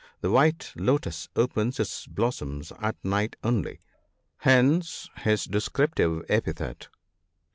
The white lotus opens its blossoms at night only, hence his descriptive epithet.